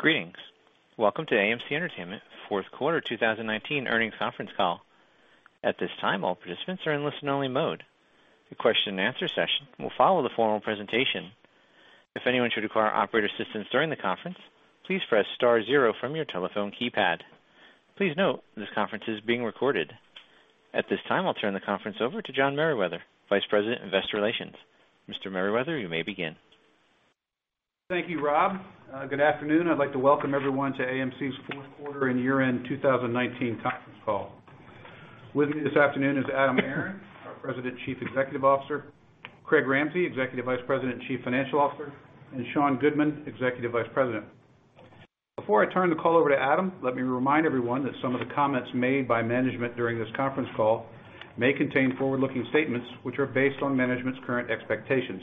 Greetings. Welcome to AMC Entertainment Fourth Quarter 2019 Earnings Conference Call. At this time, all participants are in listen-only mode. The question-and-answer session will follow the formal presentation. If anyone should require operator assistance during the conference, please press star zero from your telephone keypad. Please note, this conference is being recorded. At this time, I'll turn the conference over to John Merriwether, Vice President, Investor Relations. Mr. Merriwether, you may begin. Thank you, Rob. Good afternoon. I'd like to welcome everyone to AMC's fourth quarter and year-end 2019 conference call. With me this afternoon is Adam Aron, our President Chief Executive Officer, Craig Ramsey, Executive Vice President and Chief Financial Officer, and Sean Goodman, Executive Vice President. Before I turn the call over to Adam, let me remind everyone that some of the comments made by management during this conference call may contain forward-looking statements, which are based on management's current expectations.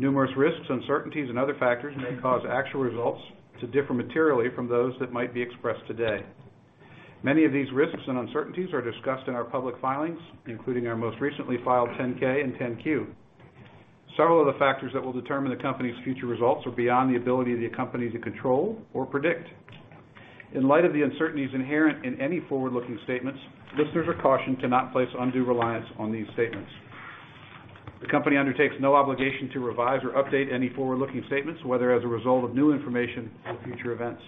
Numerous risks, uncertainties, and other factors may cause actual results to differ materially from those that might be expressed today. Many of these risks and uncertainties are discussed in our public filings, including our most recently filed 10-K and 10-Q. Several of the factors that will determine the company's future results are beyond the ability of the company to control or predict. In light of the uncertainties inherent in any forward-looking statements, listeners are cautioned to not place undue reliance on these statements. The company undertakes no obligation to revise or update any forward-looking statements, whether as a result of new information or future events.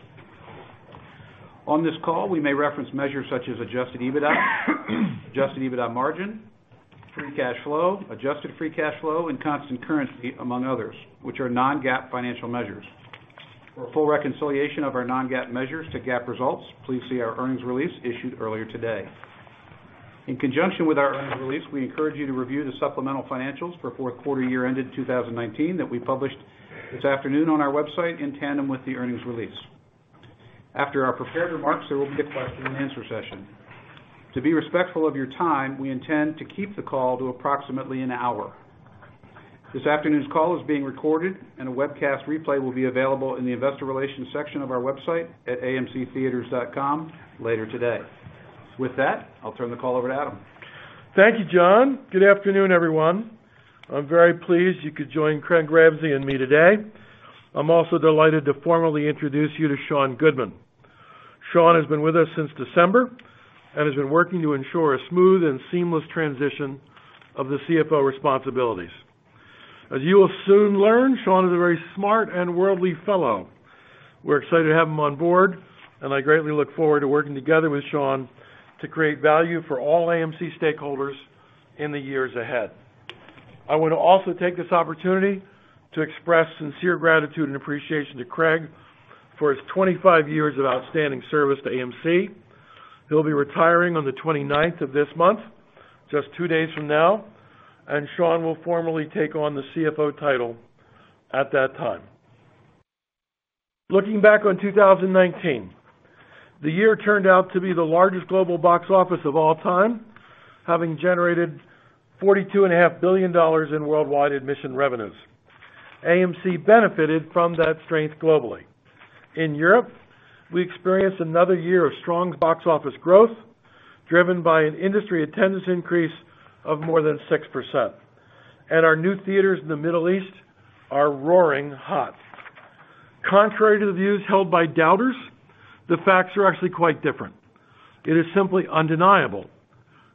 On this call, we may reference measures such as adjusted EBITDA, adjusted EBITDA margin, free cash flow, adjusted free cash flow, and constant currency, among others, which are non-GAAP financial measures. For a full reconciliation of our non-GAAP measures to GAAP results, please see our earnings release issued earlier today. In conjunction with our earnings release, we encourage you to review the supplemental financials for fourth quarter year ended 2019 that we published this afternoon on our website in tandem with the earnings release. After our prepared remarks, there will be a question-and-answer session. To be respectful of your time, we intend to keep the call to approximately an hour. This afternoon's call is being recorded, and a webcast replay will be available in the investor relations section of our website at amctheatres.com later today. With that, I'll turn the call over to Adam. Thank you, John. Good afternoon, everyone. I'm very pleased you could join Craig Ramsey and me today. I'm also delighted to formally introduce you to Sean Goodman. Sean has been with us since December and has been working to ensure a smooth and seamless transition of the CFO responsibilities. As you will soon learn, Sean is a very smart and worldly fellow. We're excited to have him on board, and I greatly look forward to working together with Sean to create value for all AMC stakeholders in the years ahead. I want to also take this opportunity to express sincere gratitude and appreciation to Craig for his 25 years of outstanding service to AMC. He'll be retiring on the 29th of this month, just two days from now, and Sean will formally take on the CFO title at that time. Looking back on 2019, the year turned out to be the largest global box office of all time, having generated $42.5 billion in worldwide admission revenues. AMC benefited from that strength globally. In Europe, we experienced another year of strong box office growth, driven by an industry attendance increase of more than 6%. Our new theaters in the Middle East are roaring hot. Contrary to the views held by doubters, the facts are actually quite different. It is simply undeniable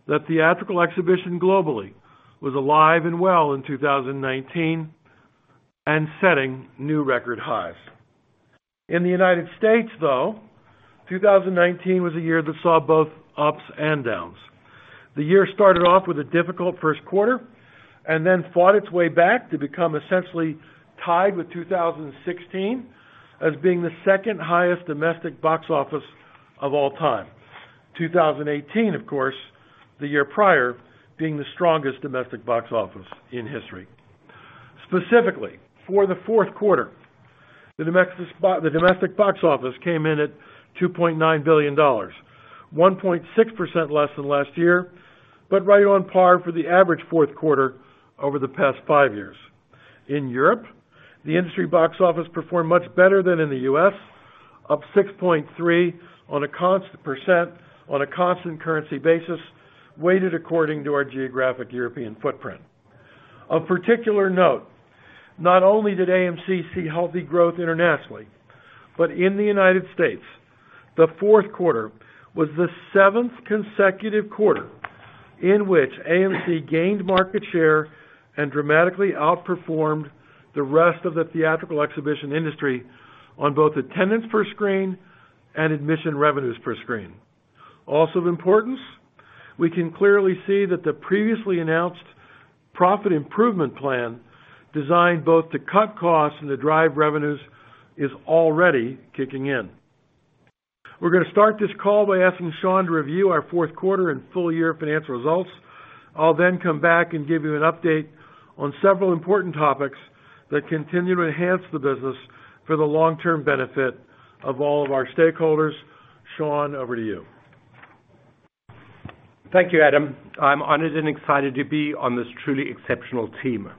that theatrical exhibition globally was alive and well in 2019 and setting new record highs. In the U.S., though, 2019 was a year that saw both ups and downs. The year started off with a difficult first quarter and then fought its way back to become essentially tied with 2016 as being the second highest domestic box office of all time. 2018, of course, the year prior, being the strongest domestic box office in history. Specifically, for the fourth quarter, the domestic box office came in at $2.9 billion, 1.6% less than last year, but right on par for the average fourth quarter over the past five years. In Europe, the industry box office performed much better than in the U.S., up 6.3% on a constant currency basis, weighted according to our geographic European footprint. Of particular note, not only did AMC see healthy growth internationally, but in the United States, the fourth quarter was the seventh consecutive quarter in which AMC gained market share and dramatically outperformed the rest of the theatrical exhibition industry on both attendance per screen and admission revenues per screen. Also of importance, we can clearly see that the previously announced profit improvement plan, designed both to cut costs and to drive revenues, is already kicking in. We're going to start this call by asking Sean to review our fourth quarter and full-year financial results. I'll come back and give you an update on several important topics that continue to enhance the business for the long-term benefit of all of our stakeholders. Sean, over to you. Thank you, Adam. I'm honored and excited to be on this truly exceptional team.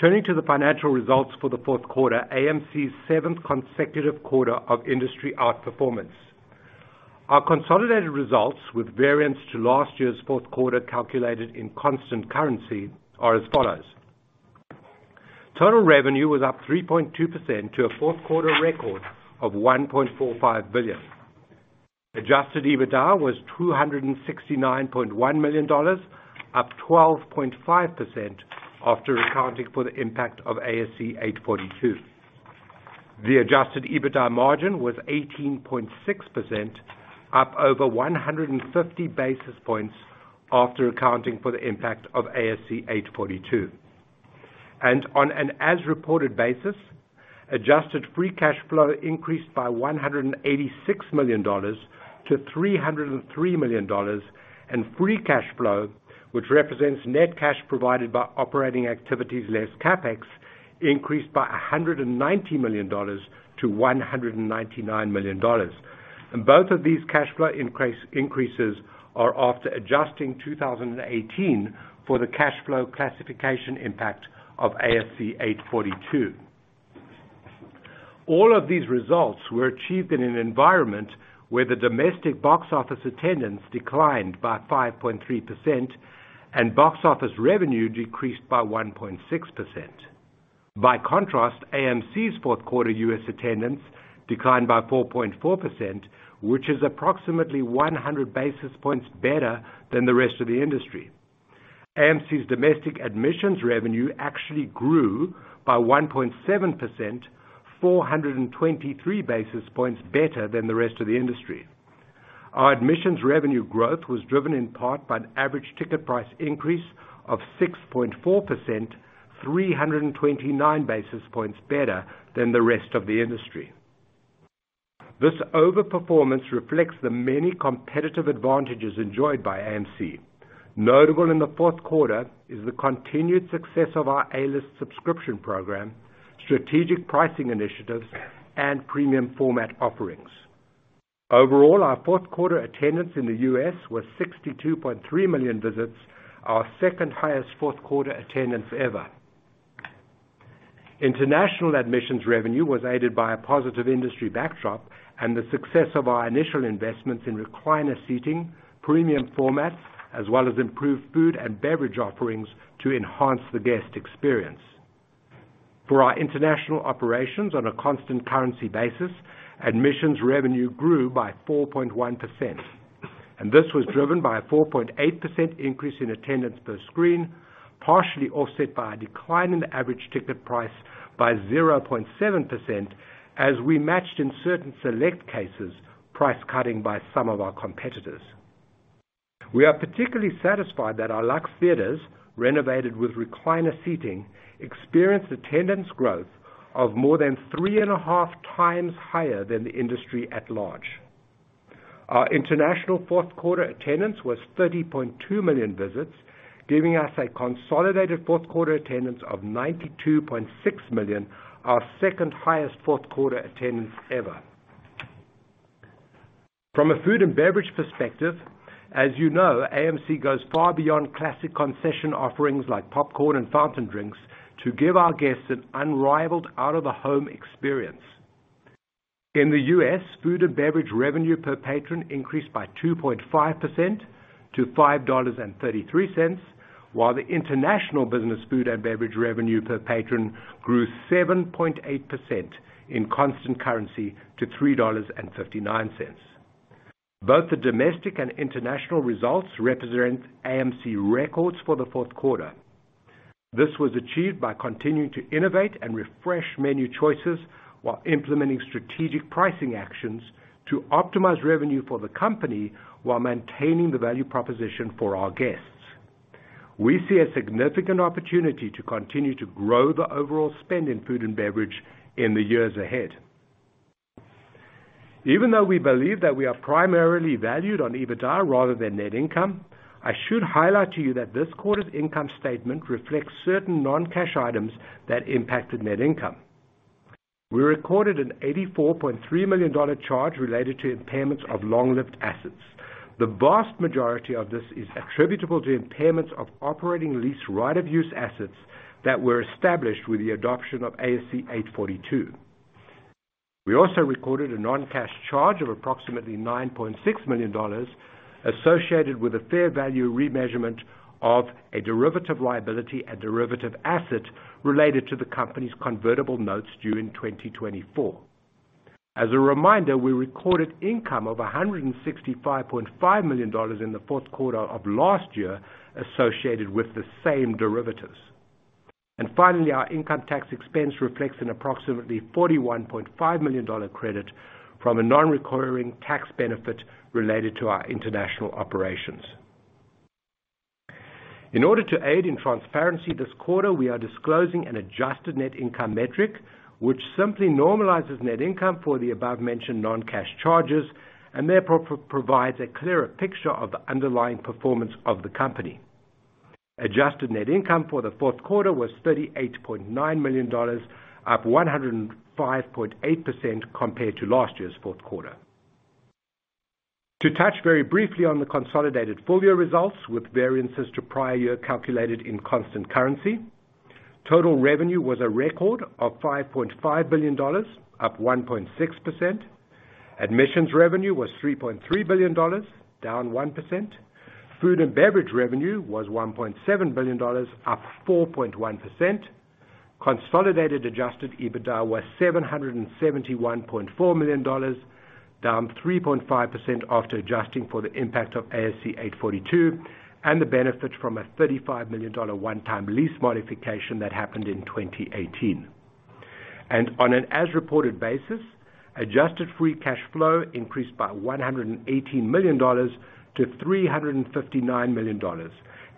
Turning to the financial results for the fourth quarter, AMC's seventh consecutive quarter of industry outperformance Our consolidated results with variance to last year's fourth quarter calculated in constant currency are as follows. Total revenue was up 3.2% to a fourth quarter record of $1.45 billion. Adjusted EBITDA was $269.1 million, up 12.5% after accounting for the impact of ASC 842. The adjusted EBITDA margin was 18.6%, up over 150 basis points after accounting for the impact of ASC 842. On an as-reported basis, adjusted free cash flow increased by $186 million to $303 million, and free cash flow, which represents net cash provided by operating activities less CapEx, increased by $190 million to $199 million. Both of these cash flow increases are after adjusting 2018 for the cash flow classification impact of ASC 842. All of these results were achieved in an environment where the domestic box office attendance declined by 5.3%, and box office revenue decreased by 1.6%. By contrast, AMC's fourth quarter U.S. attendance declined by 4.4%, which is approximately 100 basis points better than the rest of the industry. AMC's domestic admissions revenue actually grew by 1.7%, 423 basis points better than the rest of the industry. Our admissions revenue growth was driven in part by an average ticket price increase of 6.4%, 329 basis points better than the rest of the industry. This over-performance reflects the many competitive advantages enjoyed by AMC. Notable in the fourth quarter is the continued success of our A-List subscription program, strategic pricing initiatives, and premium format offerings. Overall, our fourth quarter attendance in the U.S. was 62.3 million visits, our second highest fourth quarter attendance ever. International admissions revenue was aided by a positive industry backdrop and the success of our initial investments in recliner seating, premium formats, as well as improved food and beverage offerings to enhance the guest experience. For our international operations, on a constant currency basis, admissions revenue grew by 4.1%, this was driven by a 4.8% increase in attendance per screen, partially offset by a decline in average ticket price by 0.7% as we matched in certain select cases, price cutting by some of our competitors. We are particularly satisfied that our Luxe theaters, renovated with recliner seating, experienced attendance growth of more than three and a half times higher than the industry at large. Our international fourth quarter attendance was 30.2 million visits, giving us a consolidated fourth quarter attendance of 92.6 million, our second highest fourth quarter attendance ever. From a food and beverage perspective, as you know, AMC goes far beyond classic concession offerings like popcorn and fountain drinks to give our guests an unrivaled out-of-the-home experience. In the U.S., food and beverage revenue per patron increased by 2.5% to $5.33, while the international business food and beverage revenue per patron grew 7.8% in constant currency to $3.59. Both the domestic and international results represent AMC records for the fourth quarter. This was achieved by continuing to innovate and refresh menu choices while implementing strategic pricing actions to optimize revenue for the company while maintaining the value proposition for our guests. We see a significant opportunity to continue to grow the overall spend in food and beverage in the years ahead. Even though we believe that we are primarily valued on EBITDA rather than net income, I should highlight to you that this quarter's income statement reflects certain non-cash items that impacted net income. We recorded an $84.3 million charge related to impairments of long-lived assets. The vast majority of this is attributable to impairments of operating lease right-of-use assets that were established with the adoption of ASC 842. We also recorded a non-cash charge of approximately $9.6 million associated with a fair value remeasurement of a derivative liability and derivative asset related to the company's convertible notes due in 2024. As a reminder, we recorded income of $165.5 million in the fourth quarter of last year associated with the same derivatives. Finally, our income tax expense reflects an approximately $41.5 million credit from a non-recurring tax benefit related to our international operations. In order to aid in transparency this quarter, we are disclosing an adjusted net income metric, which simply normalizes net income for the above-mentioned non-cash charges and therefore provides a clearer picture of the underlying performance of the company. Adjusted net income for the fourth quarter was $38.9 million, up 105.8% compared to last year's fourth quarter. To touch very briefly on the consolidated full-year results with variances to prior year calculated in constant currency. Total revenue was a record of $5.5 billion, up 1.6%. Admissions revenue was $3.3 billion, down 1%. Food and beverage revenue was $1.7 billion, up 4.1%. Consolidated adjusted EBITDA was $771.4 million, down 3.5% after adjusting for the impact of ASC 842 and the benefit from a $35 million one-time lease modification that happened in 2018. On an as-reported basis, adjusted free cash flow increased by $118 million to $359 million,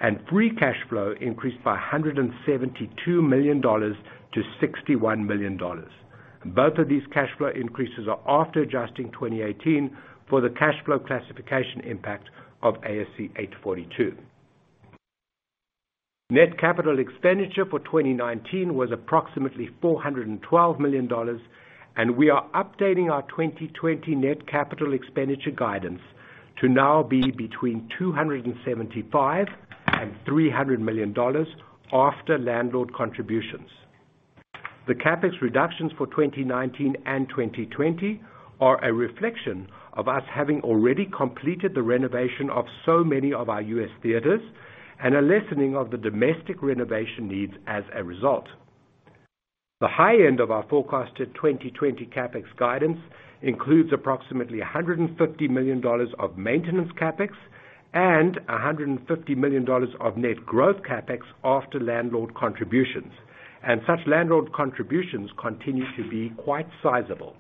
and free cash flow increased by $172 million to $61 million. Both of these cash flow increases are after adjusting 2018 for the cash flow classification impact of ASC 842. Net capital expenditure for 2019 was approximately $412 million, and we are updating our 2020 net capital expenditure guidance to now be between $275 million-$300 million after landlord contributions. The CapEx reductions for 2019 and 2020 are a reflection of us having already completed the renovation of so many of our U.S. theaters and a lessening of the domestic renovation needs as a result. The high end of our forecasted 2020 CapEx guidance includes approximately $150 million of maintenance CapEx and $150 million of net growth CapEx after landlord contributions, and such landlord contributions continue to be quite sizable.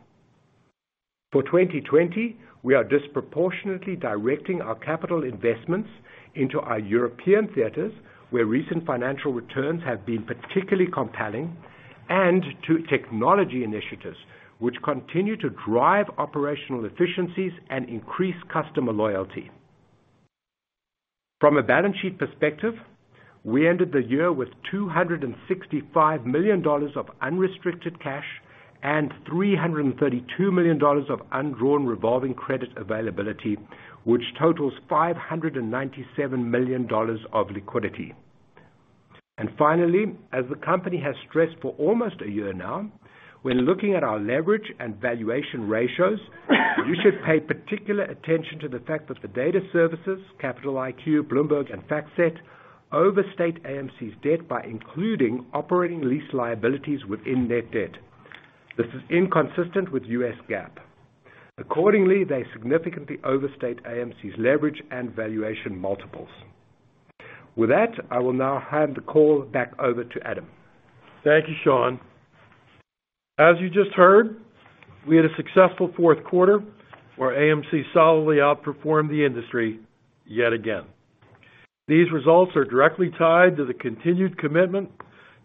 For 2020, we are disproportionately directing our capital investments into our European theaters, where recent financial returns have been particularly compelling, and to technology initiatives, which continue to drive operational efficiencies and increase customer loyalty. From a balance sheet perspective, we ended the year with $265 million of unrestricted cash and $332 million of undrawn revolving credit availability, which totals $597 million of liquidity. Finally, as the company has stressed for almost a year now, when looking at our leverage and valuation ratios, you should pay particular attention to the fact that the data services, Capital IQ, Bloomberg, and FactSet, overstate AMC's debt by including operating lease liabilities within net debt. This is inconsistent with US GAAP. Accordingly, they significantly overstate AMC's leverage and valuation multiples. With that, I will now hand the call back over to Adam. Thank you, Sean. As you just heard, we had a successful fourth quarter where AMC solidly outperformed the industry yet again. These results are directly tied to the continued commitment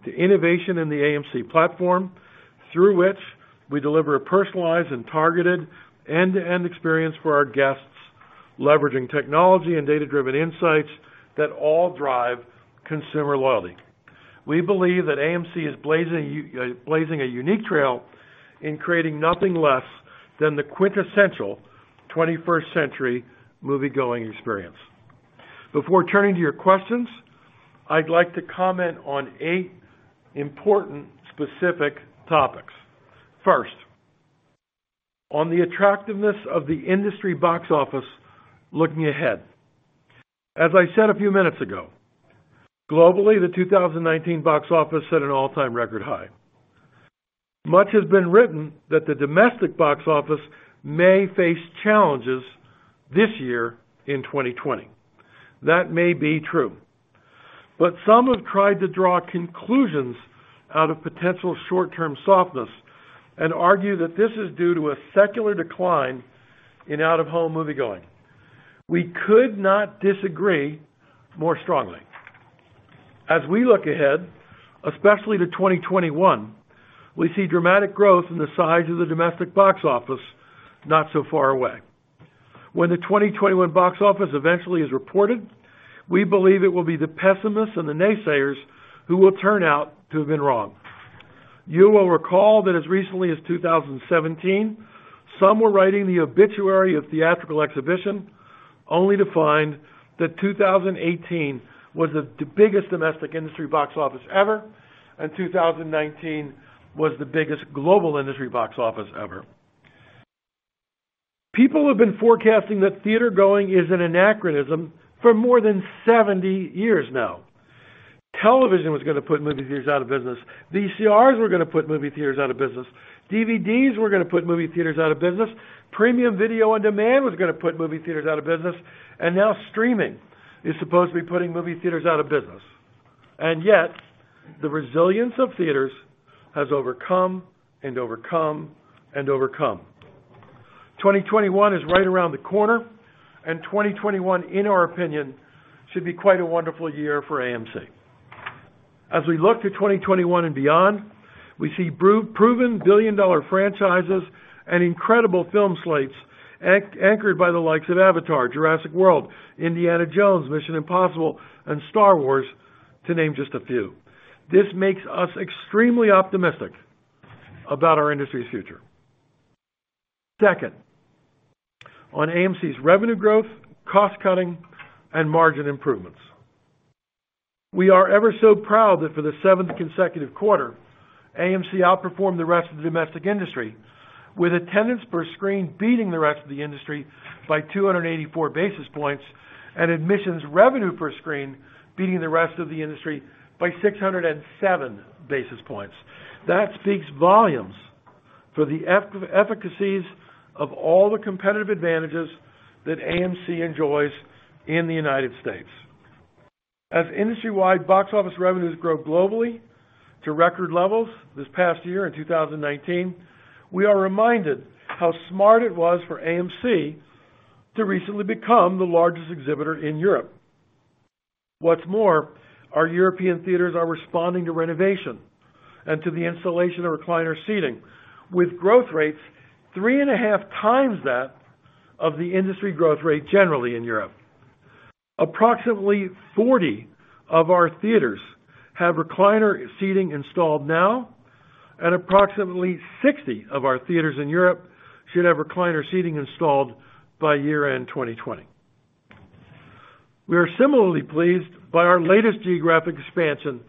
to innovation in the AMC platform, through which we deliver a personalized and targeted end-to-end experience for our guests, leveraging technology and data-driven insights that all drive consumer loyalty. We believe that AMC is blazing a unique trail in creating nothing less than the quintessential 21st-century movie-going experience. Before turning to your questions, I'd like to comment on eight important specific topics. First, on the attractiveness of the industry box office looking ahead. As I said a few minutes ago, globally, the 2019 box office set an all-time record high. Much has been written that the domestic box office may face challenges this year in 2020. That may be true. Some have tried to draw conclusions out of potential short-term softness and argue that this is due to a secular decline in out-of-home moviegoing. We could not disagree more strongly. As we look ahead, especially to 2021, we see dramatic growth in the size of the domestic box office not so far away. When the 2021 box office eventually is reported, we believe it will be the pessimists and the naysayers who will turn out to have been wrong. You will recall that as recently as 2017, some were writing the obituary of theatrical exhibition, only to find that 2018 was the biggest domestic industry box office ever, and 2019 was the biggest global industry box office ever. People have been forecasting that theater-going is an anachronism for more than 70 years now. Television was gonna put movie theaters out of business. VCRs were gonna put movie theaters out of business. DVDs were gonna put movie theaters out of business. Premium video on demand was gonna put movie theaters out of business. Now streaming is supposed to be putting movie theaters out of business. Yet, the resilience of theaters has overcome and overcome and overcome. 2021 is right around the corner, and 2021, in our opinion, should be quite a wonderful year for AMC. As we look to 2021 and beyond, we see proven billion-dollar franchises and incredible film slates anchored by the likes of Avatar, Jurassic World, Indiana Jones, Mission: Impossible, and Star Wars, to name just a few. This makes us extremely optimistic about our industry's future. Second, on AMC's revenue growth, cost-cutting, and margin improvements. We are ever so proud that for the seventh consecutive quarter, AMC outperformed the rest of the domestic industry with attendance per screen beating the rest of the industry by 284 basis points, and admissions' revenue per screen beating the rest of the industry by 607 basis points. That speaks volumes for the efficacies of all the competitive advantages that AMC enjoys in the United States. As industry-wide box office revenues grow globally to record levels this past year in 2019, we are reminded how smart it was for AMC to recently become the largest exhibitor in Europe. What's more, our European theaters are responding to renovation and to the installation of recliner seating, with growth rates three and a half times that of the industry growth rate generally in Europe. Approximately 40 of our theaters have recliner seating installed now, and approximately 60 of our theaters in Europe should have recliner seating installed by year-end 2020. We are similarly pleased by our latest geographic expansion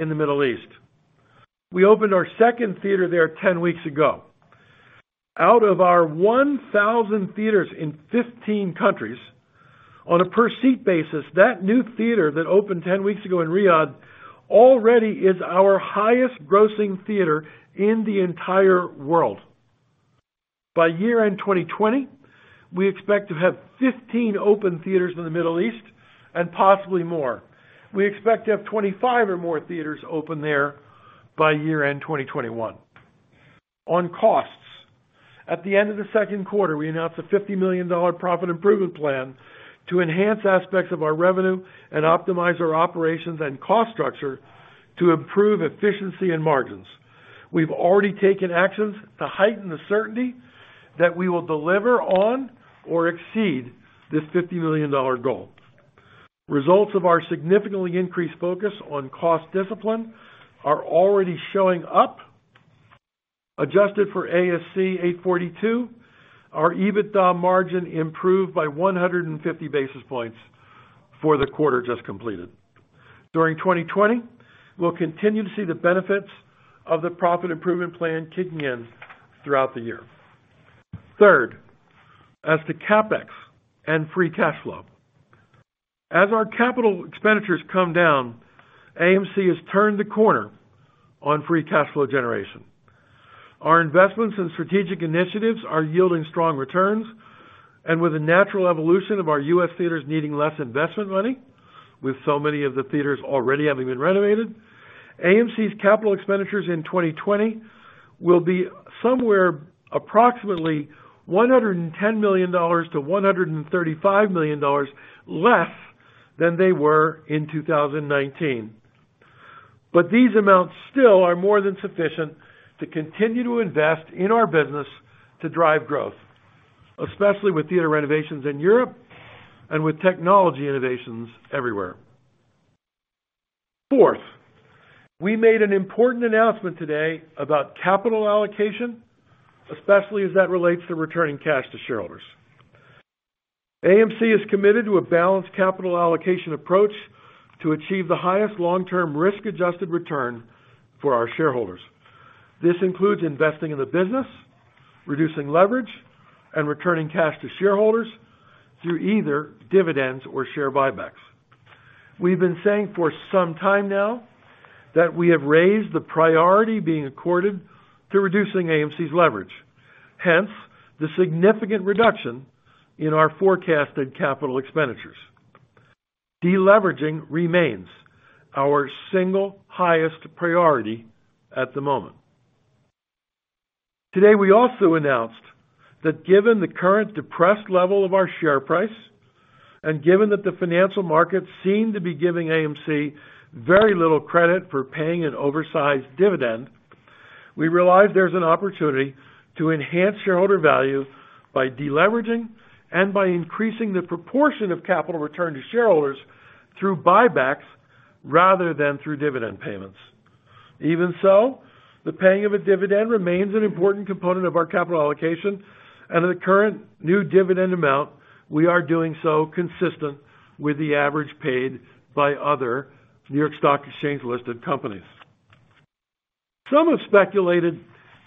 in the Middle East. We opened our second theater there 10 weeks ago. Out of our 1,000 theaters in 15 countries, on a per-seat basis, that new theater that opened 10 weeks ago in Riyadh already is our highest-grossing theater in the entire world. By year-end 2020, we expect to have 15 open theaters in the Middle East and possibly more. We expect to have 25 or more theaters open there by year-end 2021. On costs, at the end of the second quarter, we announced a $50 million profit improvement plan to enhance aspects of our revenue and optimize our operations and cost structure to improve efficiency and margins. We've already taken actions to heighten the certainty that we will deliver on or exceed this $50 million goal. Results of our significantly increased focus on cost discipline are already showing up. Adjusted for ASC 842, our EBITDA margin improved by 150 basis points for the quarter just completed. During 2020, we'll continue to see the benefits of the profit improvement plan kicking in throughout the year. Third, as to CapEx and free cash flow. As our capital expenditures come down, AMC has turned the corner on free cash flow generation. Our investments in strategic initiatives are yielding strong returns and with the natural evolution of our U.S. theaters needing less investment money, with so many of the theaters already having been renovated, AMC's capital expenditures in 2020 will be somewhere approximately $110 million-$135 million less than they were in 2019. These amounts still are more than sufficient to continue to invest in our business to drive growth, especially with theater renovations in Europe and with technology innovations everywhere. Fourth, we made an important announcement today about capital allocation, especially as that relates to returning cash to shareholders. AMC is committed to a balanced capital allocation approach to achieve the highest long-term risk-adjusted return for our shareholders. This includes investing in the business, reducing leverage, and returning cash to shareholders through either dividends or share buybacks. We've been saying for some time now that we have raised the priority being accorded to reducing AMC's leverage, hence the significant reduction in our forecasted capital expenditures. Deleveraging remains our single highest priority at the moment. Today, we also announced that given the current depressed level of our share price and given that the financial markets seem to be giving AMC very little credit for paying an oversized dividend, we realize there's an opportunity to enhance shareholder value by deleveraging and by increasing the proportion of capital return to shareholders through buybacks rather than through dividend payments. Even so, the paying of a dividend remains an important component of our capital allocation and at the current new dividend amount, we are doing so consistent with the average paid by other New York Stock Exchange-listed companies. Some have speculated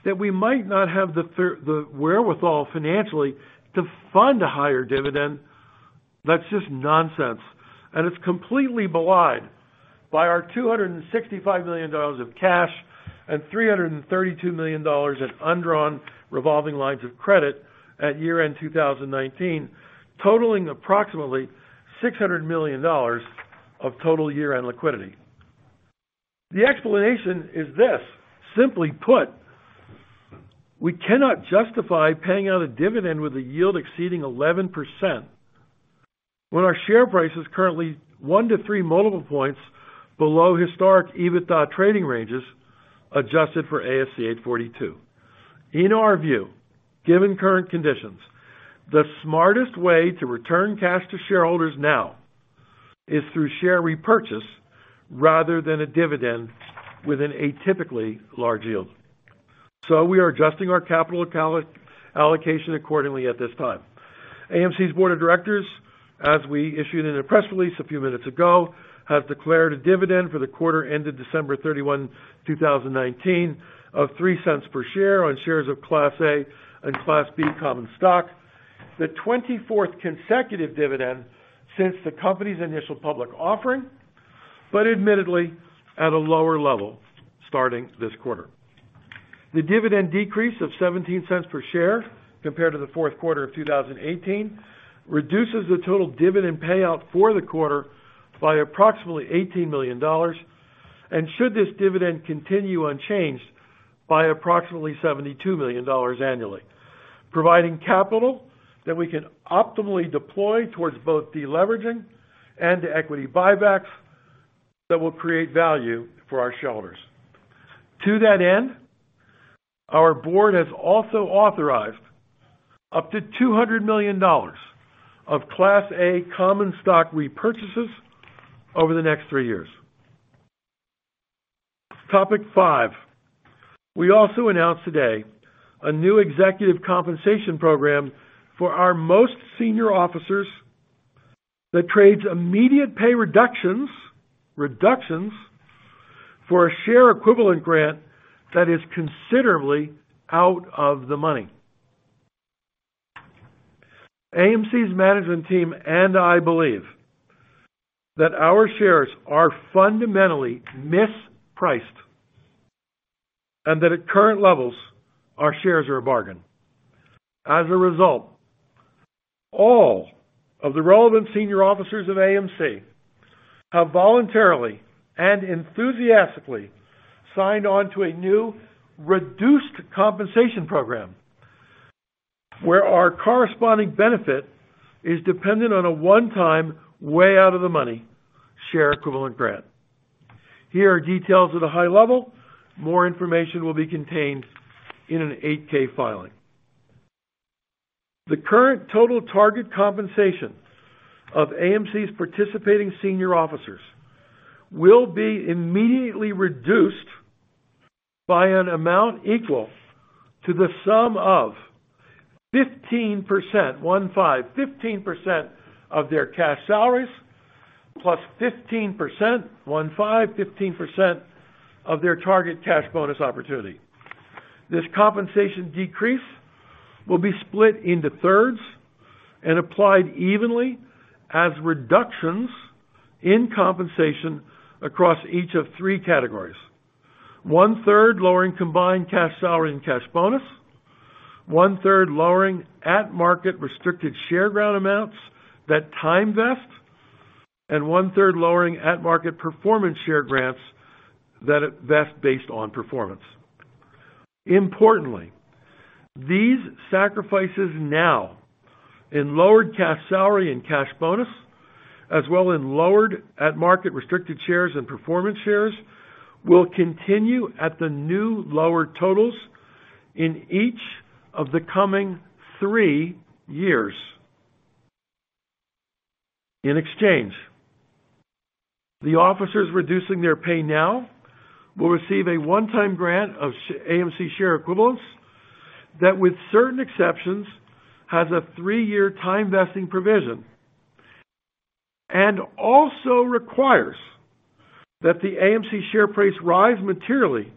that we might not have the wherewithal financially to fund a higher dividend. That's just nonsense, and it's completely belied by our $265 million of cash and $332 million in undrawn revolving lines of credit at year-end 2019, totaling approximately $600 million of total year-end liquidity. The explanation is this. Simply put, we cannot justify paying out a dividend with a yield exceeding 11% when our share price is currently one to three multiple points below historic EBITDA trading ranges adjusted for ASC 842. In our view, given current conditions, the smartest way to return cash to shareholders now is through share repurchase rather than a dividend with an atypically large yield. We are adjusting our capital allocation accordingly at this time. AMC's Board of Directors, as we issued in a press release a few minutes ago, has declared a dividend for the quarter ended December 31, 2019, of $0.03 per share on shares of Class A and Class B common stock, the 24th consecutive dividend since the company's initial public offering, but admittedly, at a lower level starting this quarter. The dividend decrease of $0.17 per share compared to the fourth quarter of 2018 reduces the total dividend payout for the quarter by approximately $18 million, and should this dividend continue unchanged, by approximately $72 million annually, providing capital that we can optimally deploy towards both de-leveraging and equity buybacks that will create value for our shareholders. To that end, our board has also authorized up to $200 million of Class A common stock repurchases over the next three years. Topic five, we also announced today a new executive compensation program for our most senior officers that trades immediate pay reductions for a share equivalent grant that is considerably out of the money. AMC's management team and I believe that our shares are fundamentally mispriced, and that at current levels, our shares are a bargain. As a result, all of the relevant senior officers of AMC have voluntarily and enthusiastically signed on to a new reduced compensation program where our corresponding benefit is dependent on a one-time way out of the money share equivalent grant. Here are details at a high level. More information will be contained in an 8-K filing. The current total target compensation of AMC's participating senior officers will be immediately reduced by an amount equal to the sum of 15% of their cash salaries, plus 15% of their target cash bonus opportunity. This compensation decrease will be split into thirds and applied evenly as reductions in compensation across each of three categories. One-third lowering combined cash salary and cash bonus, one-third lowering at-market restricted share grant amounts that time vest, and one-third lowering at-market performance share grants that vest based on performance. Importantly, these sacrifices now in lowered cash salary and cash bonus, as well in lowered at-market restricted shares and performance shares, will continue at the new lower totals in each of the coming three years. In exchange, the officers reducing their pay now will receive a one-time grant of AMC share equivalents that, with certain exceptions, has a three-year time vesting provision and also requires that the AMC share price rise materially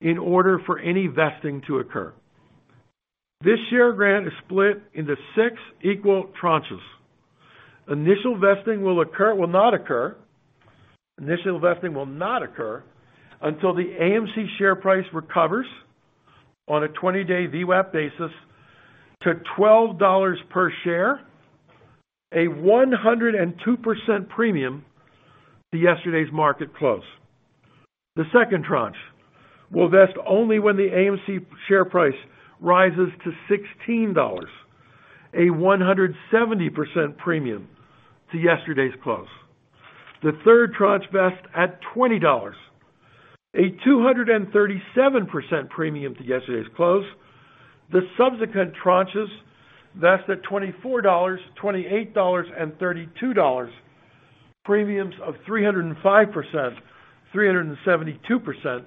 in order for any vesting to occur. This share grant is split into six equal tranches. Initial vesting will not occur until the AMC share price recovers on a 20-day VWAP basis to $12 per share, a 102% premium to yesterday's market close. The second tranche will vest only when the AMC share price rises to $16, a 170% premium to yesterday's close. The third tranche vest at $20, a 237% premium to yesterday's close. The subsequent tranches vest at $24, $28, and $32, premiums of 305%, 372%,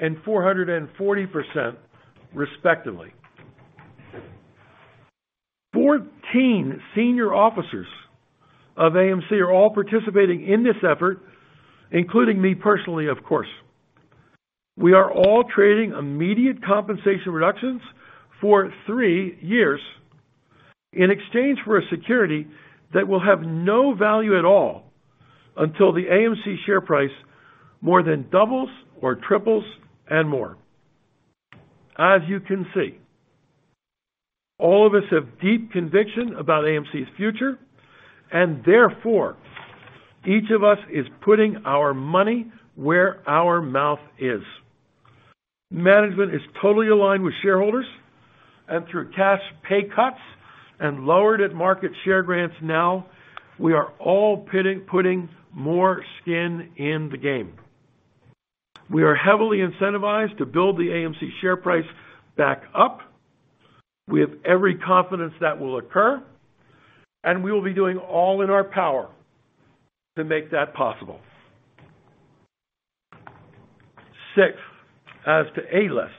and 440% respectively. 14 senior officers of AMC are all participating in this effort, including me personally, of course. We are all trading immediate compensation reductions for three years in exchange for a security that will have no value at all until the AMC share price more than doubles or triples and more. As you can see, all of us have deep conviction about AMC's future, and therefore, each of us is putting our money where our mouth is. Management is totally aligned with shareholders, and through cash pay cuts and lowered at-market share grants now, we are all putting more skin in the game. We are heavily incentivized to build the AMC share price back up. We have every confidence that will occur, and we will be doing all in our power to make that possible. Sixth, as to A-List.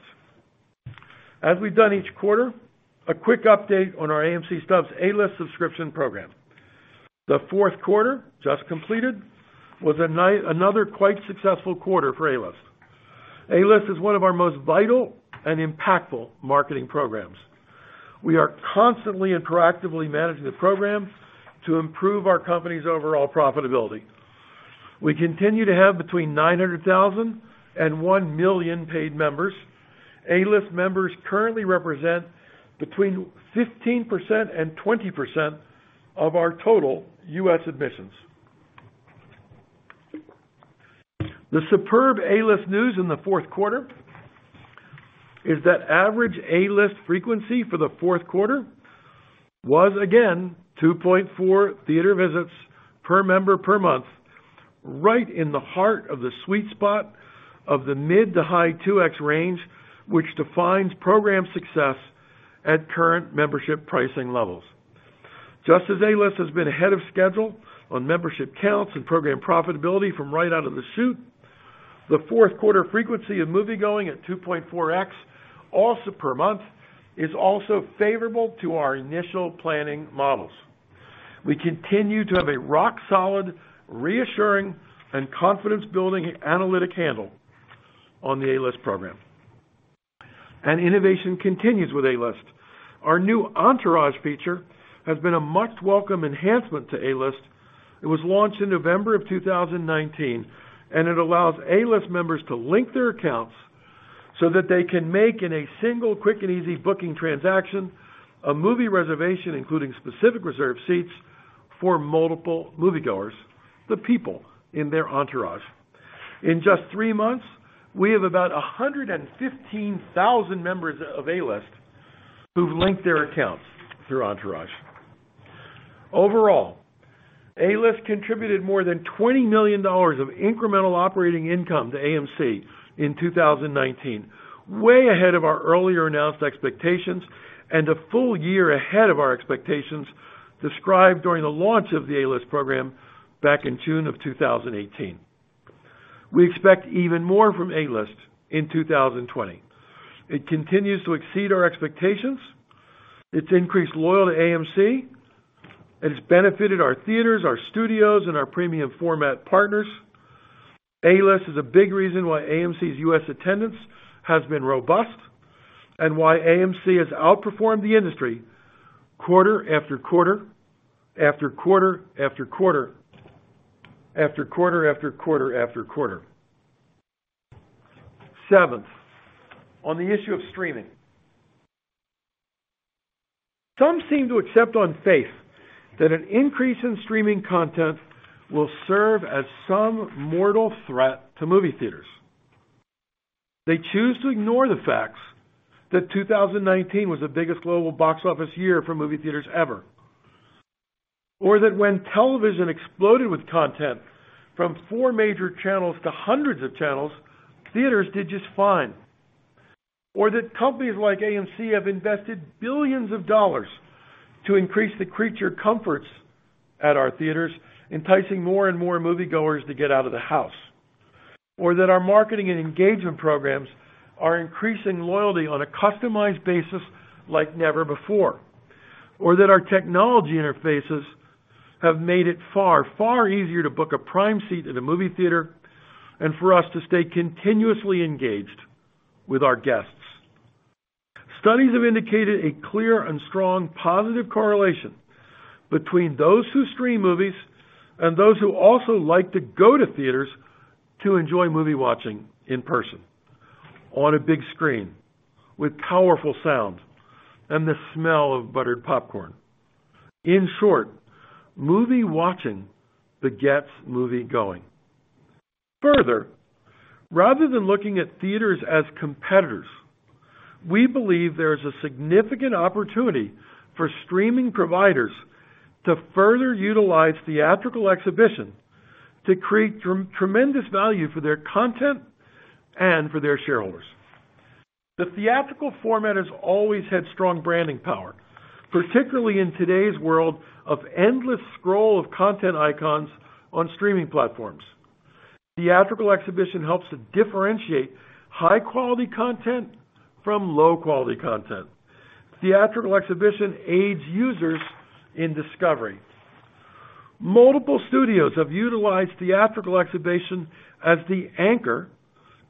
As we've done each quarter, a quick update on our AMC Stubs A-List subscription program. The fourth quarter, just completed, was another quite successful quarter for A-List. A-List is one of our most vital and impactful marketing programs. We are constantly and proactively managing the program to improve our company's overall profitability. We continue to have between 900,000 and 1 million paid members. A-List members currently represent between 15% and 20% of our total U.S. admissions. The superb A-List news in the fourth quarter is that average A-List frequency for the fourth quarter was again 2.4 theater visits per member, per month, right in the heart of the sweet spot of the mid-to-high 2x range, which defines program success at current membership pricing levels. Just as A-List has been ahead of schedule on membership counts and program profitability from right out of the shoot, the fourth quarter frequency of moviegoing at 2.4x, also per month, is also favorable to our initial planning models. We continue to have a rock-solid, reassuring, and confidence-building analytic handle on the A-List program. Innovation continues with A-List. Our new Entourage feature has been a much welcome enhancement to A-List. It was launched in November of 2019, and it allows A-List members to link their accounts so that they can make, in a single quick and easy booking transaction, a movie reservation, including specific reserved seats, for multiple moviegoers, the people in their entourage. In just three months, we have about 115,000 members of A-List who've linked their accounts through Entourage. Overall, A-List contributed more than $20 million of incremental operating income to AMC in 2019, way ahead of our earlier announced expectations. A full year ahead of our expectations described during the launch of the A-List program back in June of 2018. We expect even more from A-List in 2020. It continues to exceed our expectations. It's increased loyalty to AMC, and it's benefited our theatres, our studios, and our premium format partners. A-List is a big reason why AMC's U.S. attendance has been robust. Why AMC has outperformed the industry quarter after quarter, after quarter, after quarter, after quarter, after quarter, after quarter. Seventh, on the issue of streaming. Some seem to accept on faith that an increase in streaming content will serve as some mortal threat to movie theatres. They choose to ignore the facts that 2019 was the biggest global box office year for movie theaters ever. That when television exploded with content from four major channels to hundreds of channels, theaters did just fine. That companies like AMC have invested $billions to increase the creature comforts at our theaters, enticing more and more moviegoers to get out of the house. That our marketing and engagement programs are increasing loyalty on a customized basis like never before. That our technology interfaces have made it far, far easier to book a prime seat at a movie theater, and for us to stay continuously engaged with our guests. Studies have indicated a clear and strong positive correlation between those who stream movies and those who also like to go to theaters to enjoy movie-watching in person on a big screen with powerful sound and the smell of buttered popcorn. In short, movie-watching begets moviegoing. Further, rather than looking at theaters as competitors, we believe there is a significant opportunity for streaming providers to further utilize theatrical exhibition to create tremendous value for their content and for their shareholders. The theatrical format has always had strong branding power, particularly in today's world of endless scroll of content icons on streaming platforms. Theatrical exhibition helps to differentiate high-quality content from low-quality content. Theatrical exhibition aids users in discovery. Multiple studios have utilized theatrical exhibition as the anchor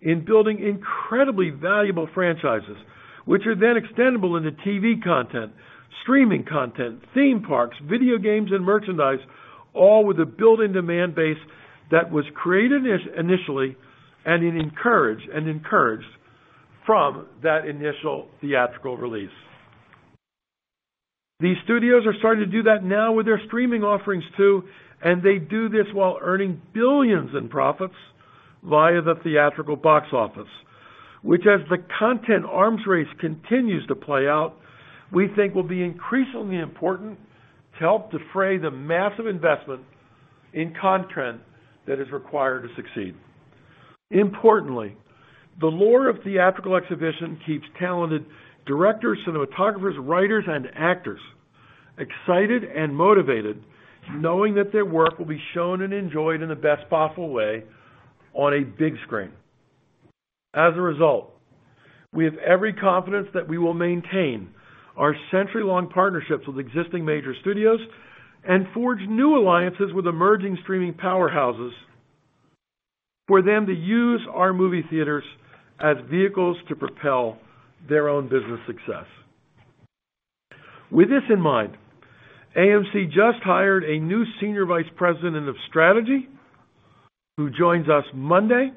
in building incredibly valuable franchises, which are then extendable into TV content, streaming content, theme parks, video games, and merchandise, all with a built-in demand base that was created initially and encouraged from that initial theatrical release. Which as the content arms race continues to play out, we think will be increasingly important to help defray the massive investment in content that is required to succeed. Importantly, the lore of theatrical exhibition keeps talented directors, cinematographers, writers, and actors excited and motivated, knowing that their work will be shown and enjoyed in the best possible way on a big screen. As a result, we have every confidence that we will maintain our century-long partnerships with existing major studios and forge new alliances with emerging streaming powerhouses for them to use our movie theaters as vehicles to propel their own business success. With this in mind, AMC just hired a new senior vice president of strategy who joins us Monday.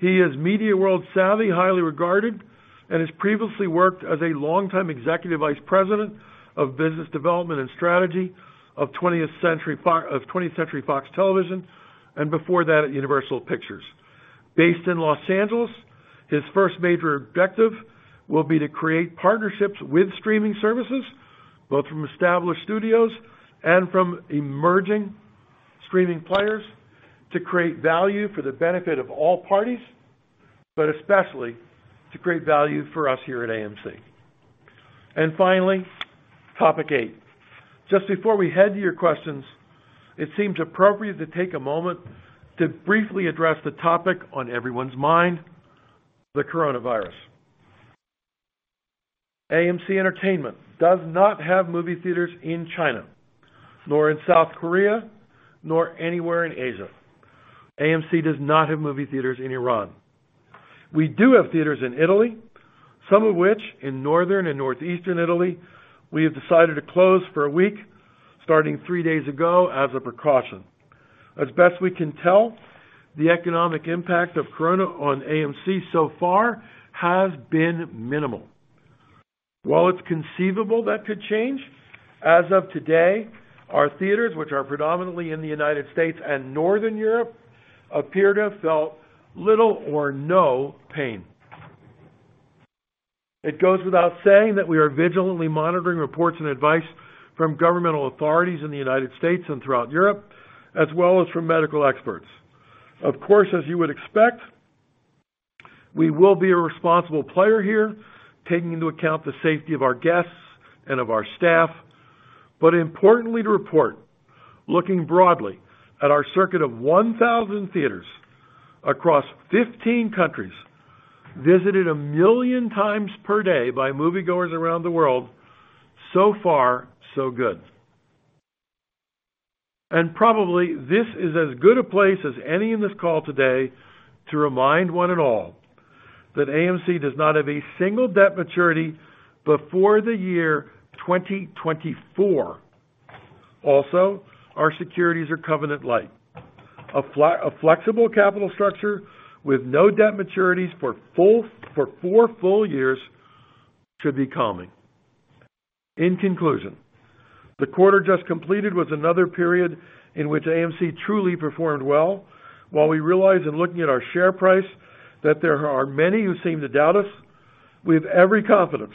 He is media world savvy, highly regarded, and has previously worked as a longtime executive vice president of business development and strategy of 20th Century Fox Television, and before that at Universal Pictures. Based in Los Angeles, his first major objective will be to create partnerships with streaming services, both from established studios and from emerging streaming players, to create value for the benefit of all parties, but especially to create value for us here at AMC. Finally, topic eight. Just before we head to your questions, it seems appropriate to take a moment to briefly address the topic on everyone's mind, the coronavirus. AMC Entertainment does not have movie theaters in China, nor in South Korea, nor anywhere in Asia. AMC does not have movie theaters in Iran. We do have theaters in Italy, some of which, in Northern and Northeastern Italy, we have decided to close for a week, starting three days ago as a precaution. As best we can tell, the economic impact of corona on AMC so far has been minimal. While it's conceivable that could change, as of today, our theaters, which are predominantly in the U.S. and Northern Europe, appear to have felt little or no pain. It goes without saying that we are vigilantly monitoring reports and advice from governmental authorities in the United States and throughout Europe, as well as from medical experts. Of course, as you would expect, we will be a responsible player here, taking into account the safety of our guests and of our staff. Importantly to report, looking broadly at our circuit of 1,000 theaters across 15 countries, visited a million times per day by moviegoers around the world, so far, so good. Probably this is as good a place as any in this call today to remind one and all that AMC does not have a single debt maturity before the year 2024. Also, our securities are covenant light. A flexible capital structure with no debt maturities for four full years should be calming. In conclusion, the quarter just completed was another period in which AMC truly performed well. While we realize in looking at our share price that there are many who seem to doubt us, we have every confidence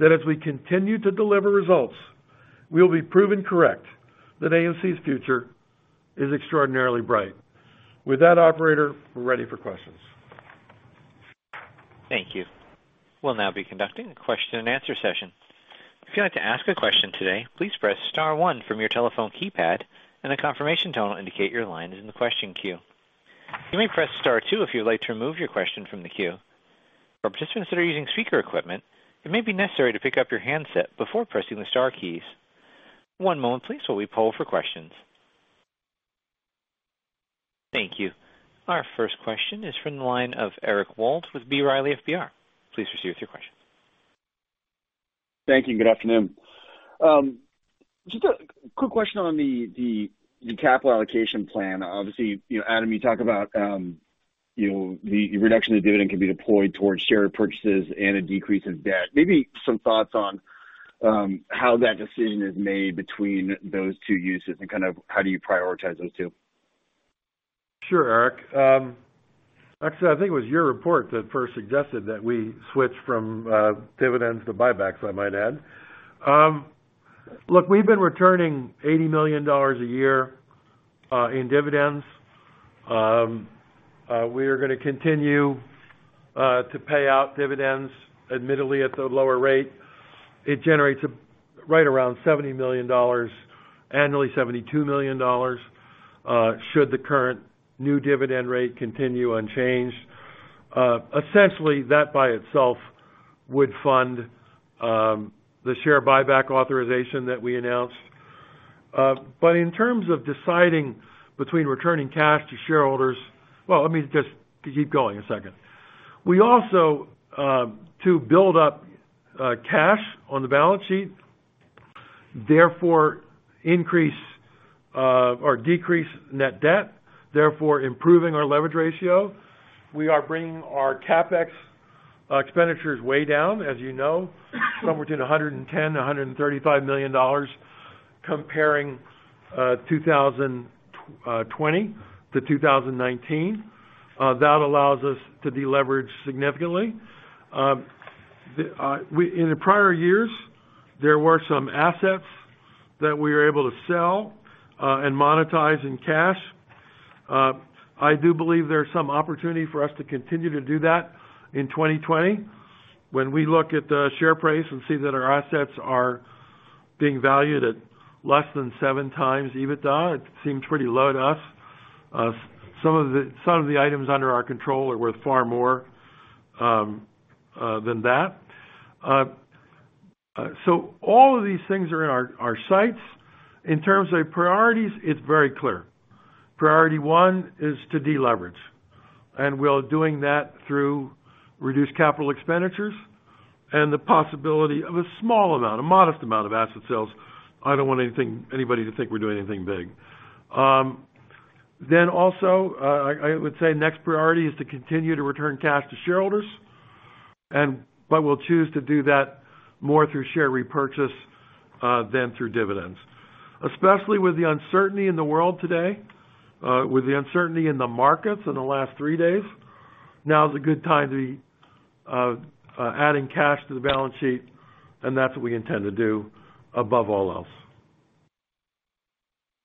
that as we continue to deliver results, we'll be proven correct that AMC's future is extraordinarily bright. With that, operator, we're ready for questions. Thank you. We'll now be conducting a question and answer session. If you'd like to ask a question today, please press star one from your telephone keypad, and a confirmation tone will indicate your line is in the question queue. You may press star two if you'd like to remove your question from the queue. For participants that are using speaker equipment, it may be necessary to pick up your handset before pressing the star keys. One moment, please, while we poll for questions. Thank you. Our first question is from the line of Eric Wold with B. Riley FBR. Please proceed with your question. Thank you. Good afternoon. Just a quick question on the capital allocation plan. Obviously, Adam, you talk about the reduction in dividend can be deployed towards share purchases and a decrease in debt. Maybe some thoughts on how that decision is made between those two uses and how do you prioritize those two? Sure, Eric. Actually, I think it was your report that first suggested that we switch from dividends to buybacks, I might add. Look, we've been returning $80 million a year in dividends. We are gonna continue to pay out dividends, admittedly, at the lower rate. It generates right around $70 million annually, $72 million, should the current new dividend rate continue unchanged. Essentially, that by itself would fund the share buyback authorization that we announced. In terms of deciding between returning cash to shareholders, Well, let me just keep going a second. We also, to build up cash on the balance sheet, therefore decrease net debt, therefore improving our leverage ratio, we are bringing our CapEx is way down, as you know, somewhere between $110 million-$135 million, comparing 2020 to 2019. That allows us to de-leverage significantly. In the prior years, there were some assets that we were able to sell and monetize in cash. I do believe there's some opportunity for us to continue to do that in 2020. When we look at the share price and see that our assets are being valued at less than seven times EBITDA, it seems pretty low to us. Some of the items under our control are worth far more than that. All of these things are in our sights. In terms of priorities, it's very clear. Priority one is to de-leverage, and we're doing that through reduced capital expenditures and the possibility of a small amount, a modest amount of asset sales. I don't want anybody to think we're doing anything big. Also, I would say next priority is to continue to return cash to shareholders. We'll choose to do that more through share repurchase than through dividends. Especially with the uncertainty in the world today, with the uncertainty in the markets in the last three days, now's a good time to be adding cash to the balance sheet, and that's what we intend to do above all else.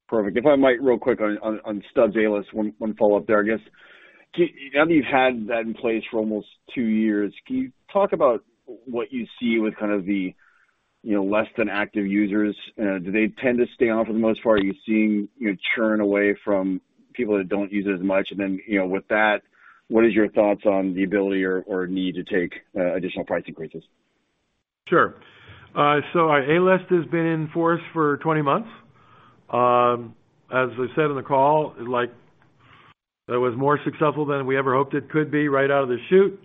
Perfect. If I might real quick on Stubs A-List, one follow-up there, I guess. Now you've had that in place for almost two years. Can you talk about what you see with kind of the less than active users? Do they tend to stay on for the most part? Are you seeing churn away from people that don't use it as much? Then, with that, what is your thoughts on the ability or need to take additional price increases? Sure. A-List has been in force for 20 months. As I said on the call, it was more successful than we ever hoped it could be right out of the chute.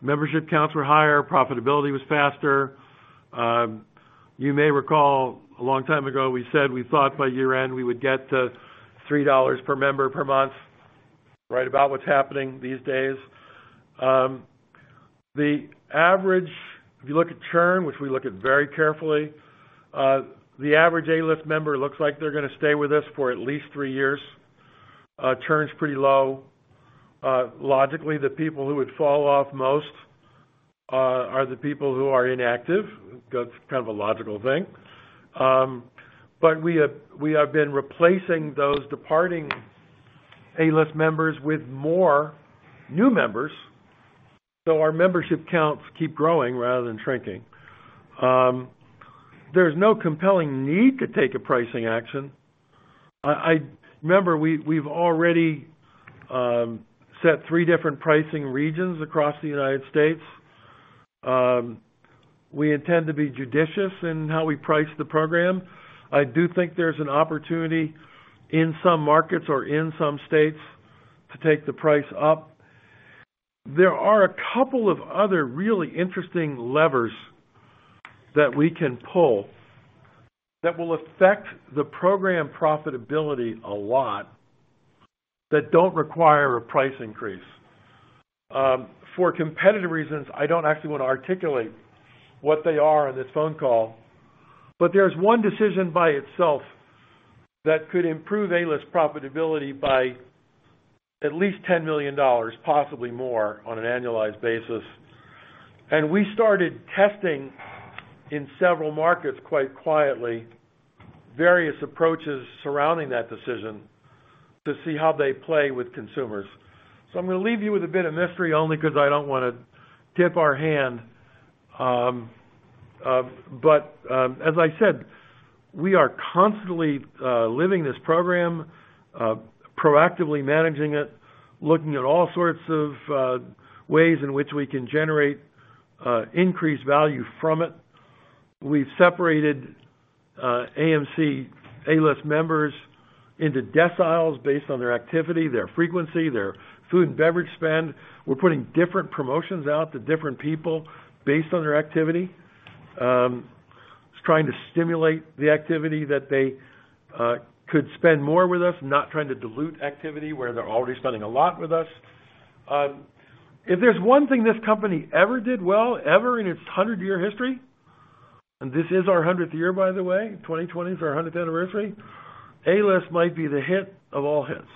Membership counts were higher, profitability was faster. You may recall a long time ago, we said we thought by year-end we would get to $3 per member per month, right about what's happening these days. The average, if you look at churn, which we look at very carefully, the average A-List member looks like they're going to stay with us for at least three years. Churn's pretty low. Logically, the people who would fall off most are the people who are inactive. That's kind of a logical thing. We have been replacing those departing A-List members with more new members, so our membership counts keep growing rather than shrinking. There's no compelling need to take a pricing action. Remember, we've already set three different pricing regions across the United States. We intend to be judicious in how we price the program. I do think there's an opportunity in some markets or in some states to take the price up. There are a couple of other really interesting levers that we can pull that will affect the program profitability a lot, that don't require a price increase. For competitive reasons, I don't actually want to articulate what they are on this phone call, but there's one decision by itself that could improve A-List profitability by at least $10 million, possibly more, on an annualized basis. We started testing in several markets quite quietly, various approaches surrounding that decision to see how they play with consumers. I'm going to leave you with a bit of mystery only because I don't want to tip our hand. As I said, we are constantly living this program, proactively managing it, looking at all sorts of ways in which we can generate increased value from it. We've separated AMC A-List members into deciles based on their activity, their frequency, their food and beverage spend. We're putting different promotions out to different people based on their activity. Trying to stimulate the activity that they could spend more with us, not trying to dilute activity where they're already spending a lot with us. If there's one thing this company ever did well, ever in its 100-year history, and this is our 100th year, by the way, 2020 is our 100th anniversary, A-List might be the hit of all hits.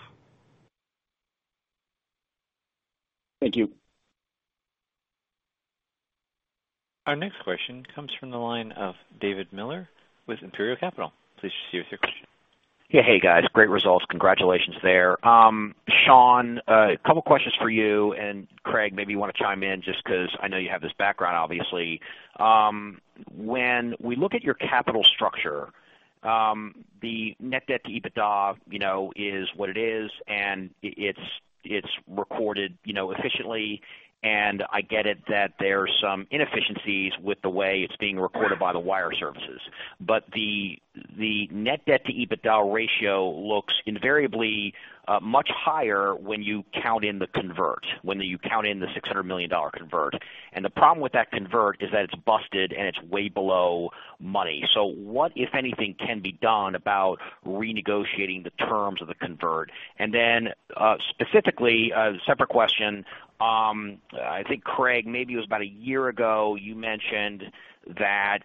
Thank you. Our next question comes from the line of David Miller with Imperial Capital. Please proceed with your question. Hey, guys. Great results. Congratulations there. Sean, a couple questions for you. Craig, maybe you want to chime in just because I know you have this background, obviously. When we look at your capital structure, the net debt to EBITDA is what it is, and it's recorded efficiently. I get it that there's some inefficiencies with the way it's being recorded by the wire services. The net debt to EBITDA ratio looks invariably much higher when you count in the convert, when you count in the $600 million convert. The problem with that convert is that it's busted and it's way below money. What, if anything, can be done about renegotiating the terms of the convert? Specifically, a separate question. I think, Craig, maybe it was about a year ago, you mentioned that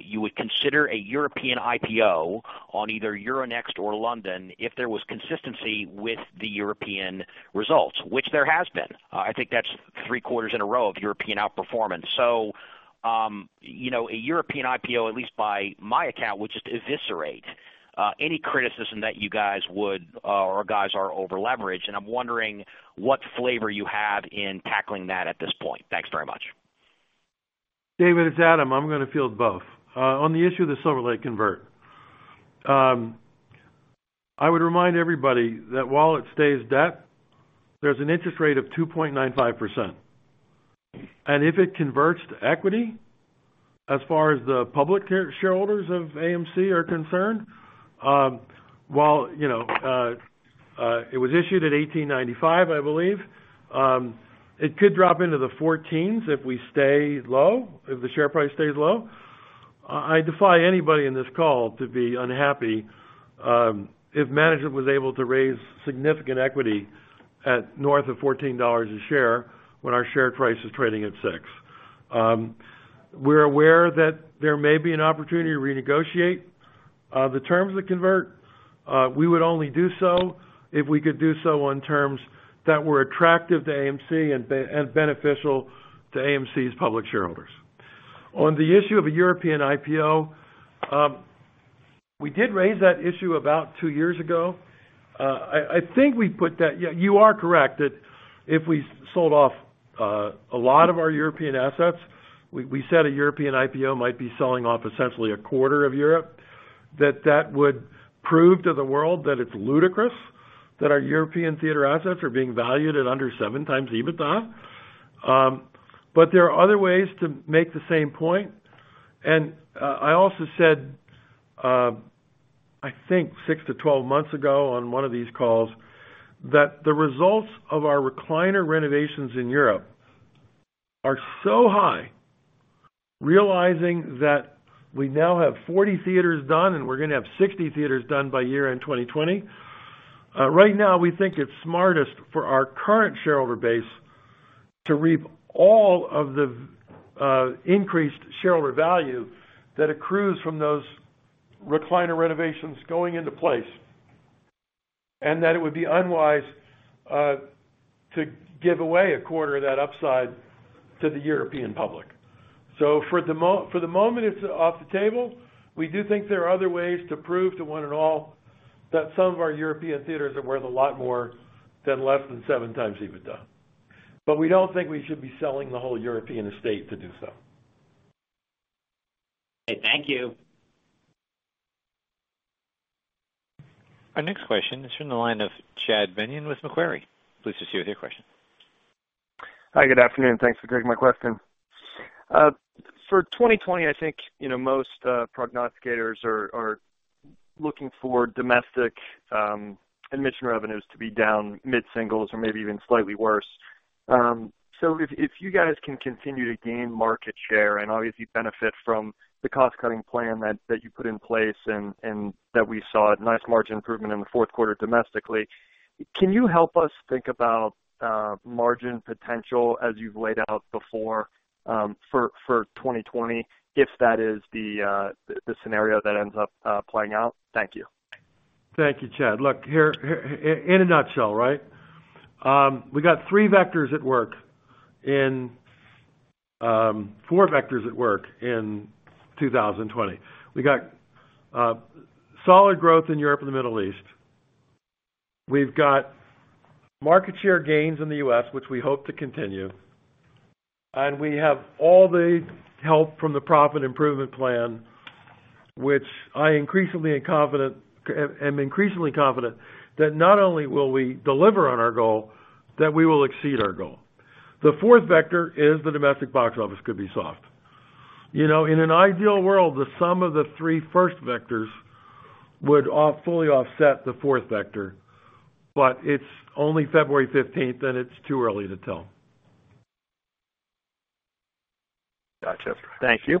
you would consider a European IPO on either Euronext or London if there was consistency with the European results, which there has been. I think that's three quarters in a row of European outperformance. A European IPO, at least by my account, would just eviscerate any criticism that you guys are over-leveraged, and I'm wondering what flavor you have in tackling that at this point. Thanks very much. David, it's Adam. I'm going to field both. On the issue of the Silver Lake convert. I would remind everybody that while it stays debt, there's an interest rate of 2.95%. If it converts to equity, as far as the public shareholders of AMC are concerned, while it was issued at $18.95, I believe, it could drop into the $14s if the share price stays low. I defy anybody in this call to be unhappy if management was able to raise significant equity at north of $14 a share when our share price is trading at six. We're aware that there may be an opportunity to renegotiate the terms of the convert. We would only do so if we could do so on terms that were attractive to AMC and beneficial to AMC's public shareholders. On the issue of a European IPO, we did raise that issue about two years ago. You are correct, that if we sold off a lot of our European assets, we said a European IPO might be selling off essentially a quarter of Europe. That would prove to the world that it's ludicrous that our European theater assets are being valued at under seven times EBITDA. There are other ways to make the same point. I also said, I think six to 12 months ago on one of these calls, that the results of our recliner renovations in Europe are so high, realizing that we now have 40 theaters done, and we're going to have 60 theaters done by year-end 2020. Right now, we think it's smartest for our current shareholder base to reap all of the increased shareholder value that accrues from those recliner renovations going into place, and that it would be unwise to give away a quarter of that upside to the European public. For the moment, it's off the table. We do think there are other ways to prove to one and all that some of our European theaters are worth a lot more than less than 7x EBITDA. We don't think we should be selling the whole European estate to do so. Okay, thank you. Our next question is from the line of Chad Beynon with Macquarie. Please proceed with your question. Hi, good afternoon. Thanks for taking my question. For 2020, I think, most prognosticators are looking for domestic admission revenues to be down mid-singles or maybe even slightly worse. If you guys can continue to gain market share and obviously benefit from the cost-cutting plan that you put in place and that we saw a nice margin improvement in the fourth quarter domestically, can you help us think about margin potential as you've laid out before, for 2020, if that is the scenario that ends up playing out? Thank you. Thank you, Chad. Look, in a nutshell, right? We got four vectors at work in 2020. We got solid growth in Europe and the Middle East. We've got market share gains in the U.S., which we hope to continue. We have all the help from the profit improvement plan, which I am increasingly confident that not only will we deliver on our goal, that we will exceed our goal. The fourth vector is the domestic box office could be soft. In an ideal world, the sum of the three first vectors would fully offset the fourth vector, but it's only February 15th, and it's too early to tell. Gotcha. Thank you.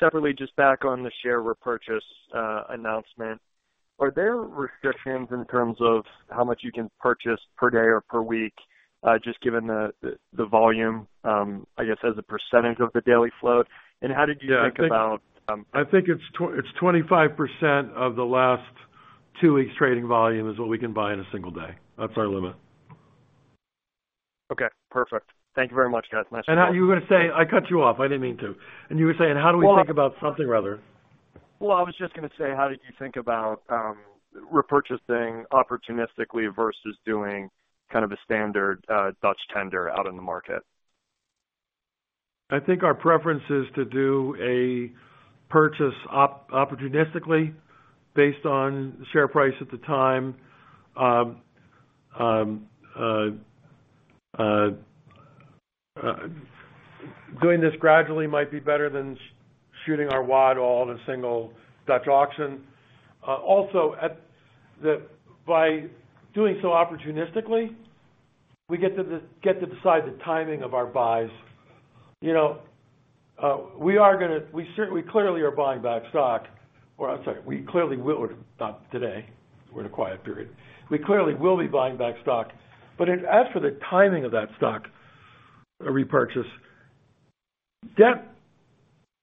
Separately, just back on the share repurchase announcement. Are there restrictions in terms of how much you can purchase per day or per week, just given the volume, I guess, as a percentage of the daily float? How did you think about? I think it's 25% of the last two weeks' trading volume is what we can buy in a single day. That's our limit. Okay, perfect. Thank you very much, guys. Nice to talk. You were gonna say, I cut you off. I didn't mean to. You were saying, how do we think about something rather? Well, I was just gonna say, how did you think about repurchasing opportunistically versus doing kind of a standard Dutch tender out in the market? I think our preference is to do a purchase opportunistically based on share price at the time. Doing this gradually might be better than shooting our wad all in a single Dutch auction. By doing so opportunistically, we get to decide the timing of our buys. We clearly are buying back stock. I'm sorry, not today. We're in a quiet period. We clearly will be buying back stock. As for the timing of that stock repurchase, debt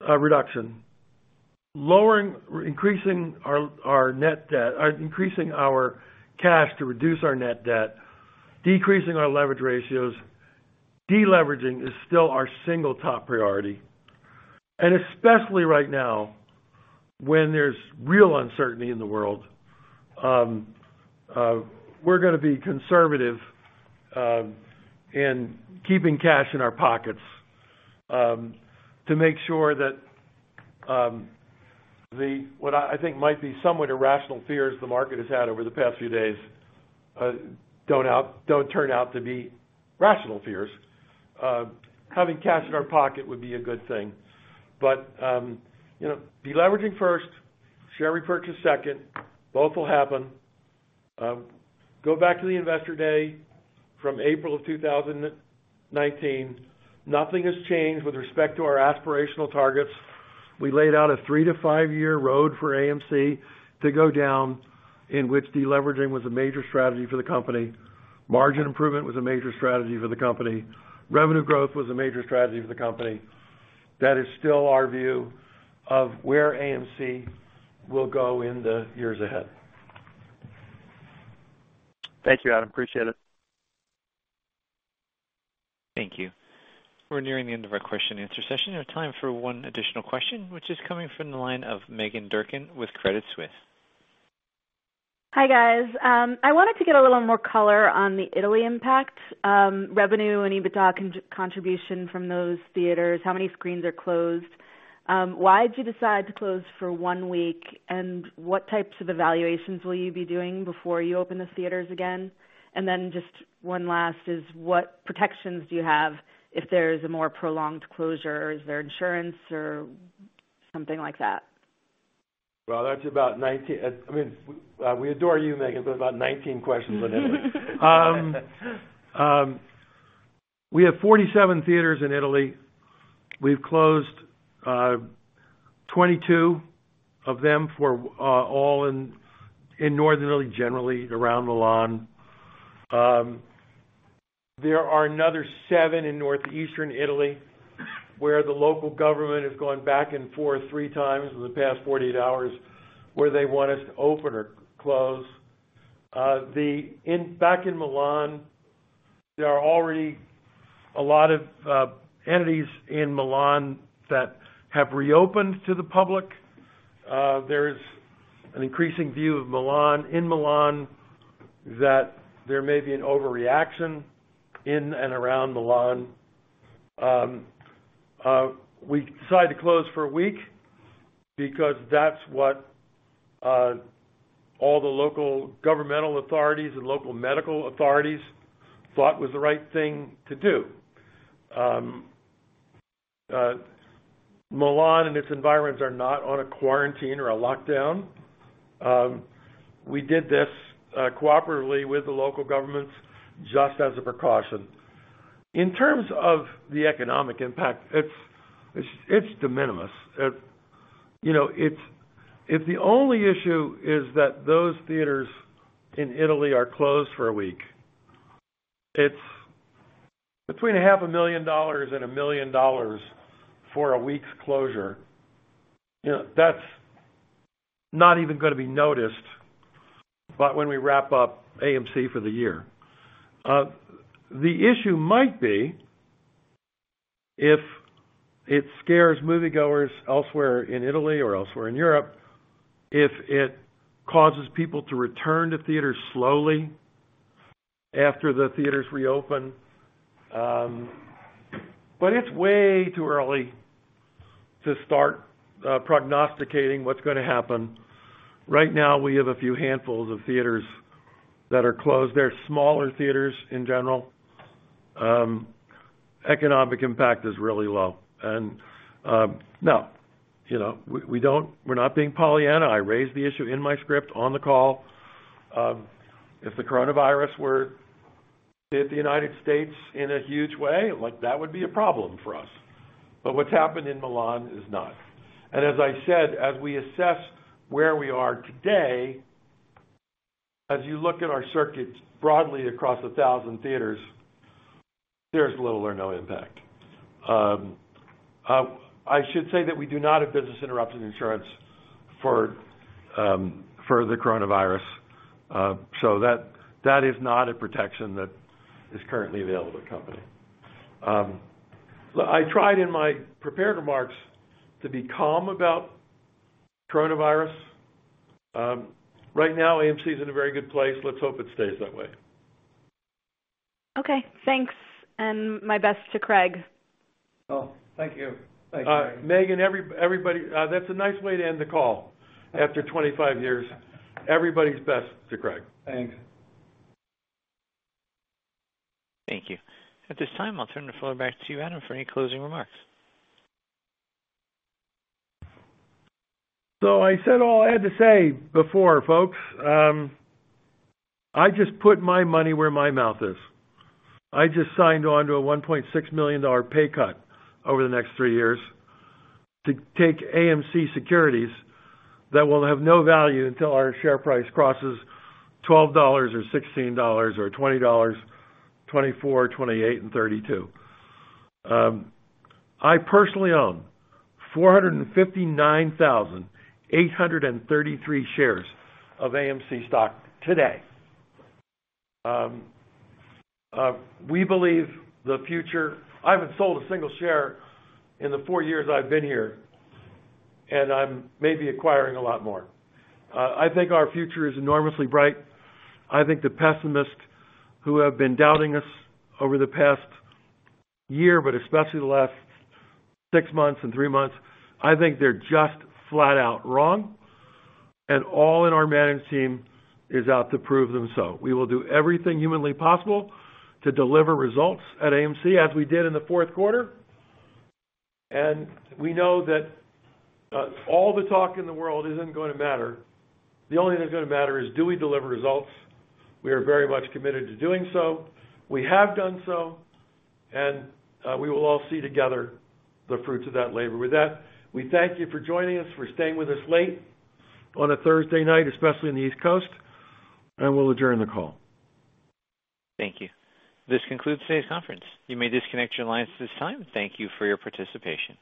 reduction, increasing our cash to reduce our net debt, decreasing our leverage ratios, de-leveraging is still our single top priority. Especially right now, when there's real uncertainty in the world, we're going to be conservative in keeping cash in our pockets, to make sure that what I think might be somewhat irrational fears the market has had over the past few days don't turn out to be rational fears. Having cash in our pocket would be a good thing. De-leveraging first, share repurchase second. Both will happen. Go back to the investor day from April of 2019. Nothing has changed with respect to our aspirational targets. We laid out a three-to-five year road for AMC to go down, in which de-leveraging was a major strategy for the company. Margin improvement was a major strategy for the company. Revenue growth was a major strategy for the company. That is still our view of where AMC will go in the years ahead. Thank you, Adam. Appreciate it. Thank you. We're nearing the end of our question-and-answer session. There's time for one additional question, which is coming from the line of Meghan Durkin with Credit Suisse. Hi, guys. I wanted to get a little more color on the Italy impact. Revenue and EBITDA contribution from those theaters, how many screens are closed? Why'd you decide to close for one week, and what types of evaluations will you be doing before you open the theaters again? Just one last is what protections do you have if there's a more prolonged closure? Is there insurance or something like that? We adore you, Meghan, but about 19 questions on Italy. We have 47 theaters in Italy. We've closed 22 of them, all in northern Italy, generally around Milan. There are another seven in northeastern Italy, where the local government has gone back and forth three times in the past 48 hours, where they want us to open or close. Back in Milan, there are already a lot of entities in Milan that have reopened to the public. There's an increasing view in Milan that there may be an overreaction in and around Milan. We decided to close for a week because that's what all the local governmental authorities and local medical authorities thought was the right thing to do. Milan and its environs are not on a quarantine or a lockdown. We did this cooperatively with the local governments just as a precaution. In terms of the economic impact, it's de minimis. If the only issue is that those theaters in Italy are closed for a week, it's between a half a million dollars and $1 million for a week's closure. That's not even going to be noticed when we wrap up AMC for the year. The issue might be if it scares moviegoers elsewhere in Italy or elsewhere in Europe, if it causes people to return to theaters slowly after the theaters reopen. It's way too early to start prognosticating what's going to happen. Right now, we have a few handfuls of theaters that are closed. They're smaller theaters in general. Economic impact is really low. No, we're not being Pollyanna. I raised the issue in my script on the call. If the coronavirus were to hit the U.S. in a huge way, that would be a problem for us. What's happened in Milan is not. As I said, as we assess where we are today, as you look at our circuits broadly across 1,000 theaters, there's little or no impact. I should say that we do not have business interruption insurance for the coronavirus. That is not a protection that is currently available to the company. I tried in my prepared remarks to be calm about coronavirus. Right now, AMC's in a very good place. Let's hope it stays that way. Okay. Thanks, and my best to Craig. Oh, thank you. Meghan, everybody, that's a nice way to end the call after 25 years. Everybody's best to Craig. Thanks. Thank you. At this time, I'll turn the floor back to you, Adam, for any closing remarks. I said all I had to say before, folks. I just put my money where my mouth is. I just signed on to a $1.6 million pay cut over the next three years to take AMC securities that will have no value until our share price crosses $12 or $16 or $20, $24, $28, and $32. I personally own 459,833 shares of AMC stock today. I haven't sold a single share in the four years I've been here, and I'm maybe acquiring a lot more. I think our future is enormously bright. I think the pessimists who have been doubting us over the past year, but especially the last six months and three months, I think they're just flat out wrong. All in our management team is out to prove them so. We will do everything humanly possible to deliver results at AMC as we did in the fourth quarter. We know that all the talk in the world isn't going to matter. The only thing that's going to matter is do we deliver results. We are very much committed to doing so. We have done so, and we will all see together the fruits of that labor. With that, we thank you for joining us, for staying with us late on a Thursday night, especially in the East Coast, and we'll adjourn the call. Thank you. This concludes today's conference. You may disconnect your lines at this time. Thank you for your participation.